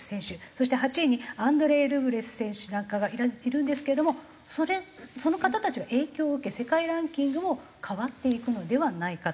そして８位にアンドレイ・ルブレフ選手なんかがいるんですけれどもその方たちが影響を受け世界ランキングも変わっていくのではないかと。